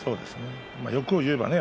欲を言えばね